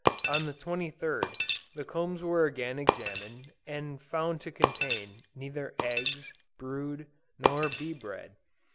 On the 23d, the combs were again examined, and found to contain, neither eggs, brood, nor bee bread.